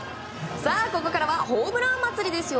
ここからはホームラン祭りですよ。